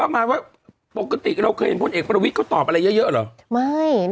มะว่านี้ถ้าใครดู